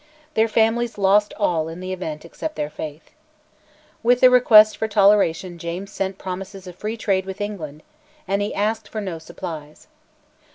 Their families lost all in the event except their faith. With the request for toleration James sent promises of free trade with England, and he asked for no supplies.